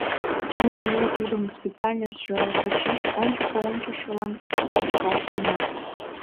Ну, ме тудым специальностьшо почеш ончыко ончышылан кычкаш лийна.